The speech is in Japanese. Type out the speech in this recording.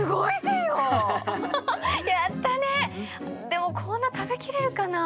でもこんな食べきれるかな？